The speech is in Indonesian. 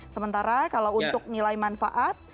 sementara kalau untuk nilai manfaat